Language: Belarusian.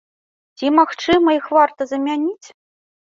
Ці, магчыма, іх варта замяніць?